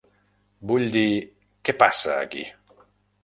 Vull dir, què passa aquí?